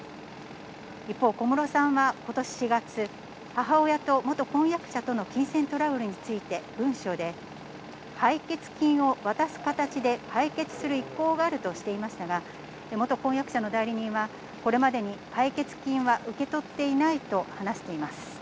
一方、小室さんは今年４月、母親と元婚約者との金銭トラブルについて文書で、解決金を渡す形で解決する意向があるとしていましたが、元婚約者の代理人は、これまでに解決金は受け取っていないと話しています。